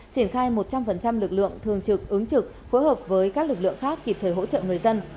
triển khai một trăm linh lực lượng thường trực ứng trực phối hợp với các lực lượng khác kịp thời hỗ trợ người dân